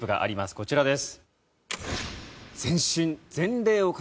こちらです。